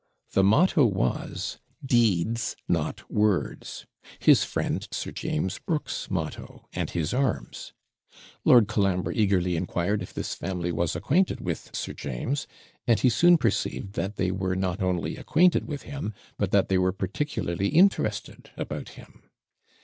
The motto was, 'Deeds, not words' his friend Sir James Brooke's motto, and his arms. Lord Colambre eagerly inquired if this family was acquainted with Sir James, and he soon perceived that they were not only acquainted with him, but that they were particularly interested about him.